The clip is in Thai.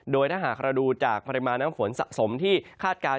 โดยถ้าหากเราดูจากปริมาณน้ำฝนสะสมที่คาดการณ์